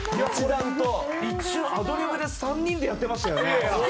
アドリブで３人でやってましたね。